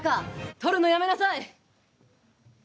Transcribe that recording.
撮るのやめなさい！